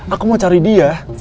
aku mau cari dia